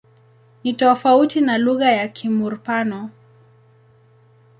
Ni tofauti na lugha ya Kimur-Pano.